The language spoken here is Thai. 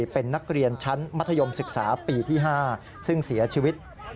เป็นนักเรียนชั้นมัธยมศึกษาปีที่๕ซึ่งเสียชีวิต